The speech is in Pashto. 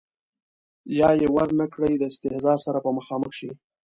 یا یې ور نه کړي د استیضاح سره به مخامخ شي.